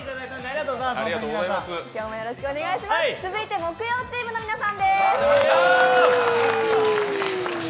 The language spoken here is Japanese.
続いて木曜チームの皆さんです。